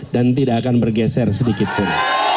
dan tidak akan bergeser sedikit pun